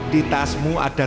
di tasmu ada